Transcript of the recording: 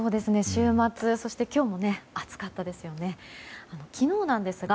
週末、そして今日も暑かったですよね。